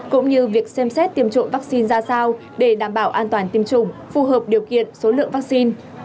cũng như việc xem xét tiêm trộm vaccine ra sao để đảm bảo an toàn tiêm chủng phù hợp điều kiện số lượng vaccine